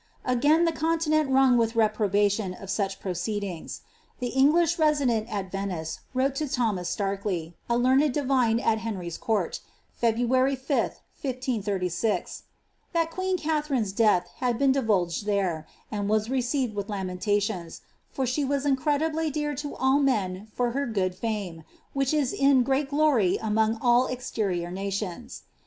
Again the continent rung with reprol^tion t>ceedings. The English resident at Venice wrote to Thomas learned divine at Henry's court, February 5th, 1 536, ^ that harine's death had been divulged there, and was received with ns, for she was incredibly dear to all men for her good fame, n great glory among all exterior nations."